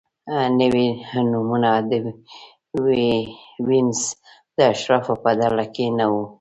نوي نومونه د وینز د اشرافو په ډله کې نه وو.